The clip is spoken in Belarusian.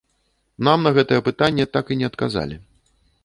Нам на гэтае пытанне так і не адказалі.